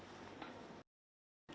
tư duy không phù hợp